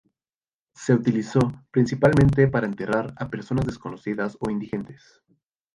Se utilizó principalmente para enterrar a personas desconocidas o indigentes.